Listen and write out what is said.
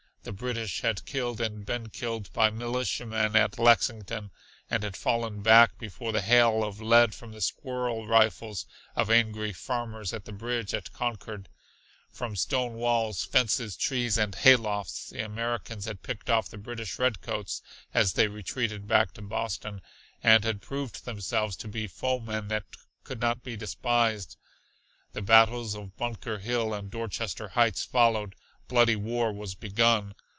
The British had killed and been killed by militiamen at Lexington, and had fallen back before the hail of lead from the squirrel rifles of angry farmers at the bridge at Concord. From stonewalls, fences, trees and haylofts, the Americans had picked off the British redcoats as they retreated back to Boston, and had proved themselves to be foemen that could not be despised. The battles of Bunker Hill and Dorchester Heights followed. Bloody war was begun.